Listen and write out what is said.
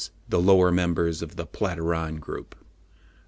the lower members of the Platyrrhine group."